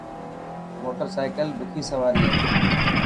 موٽر سائڪل ڏکي سواري هي.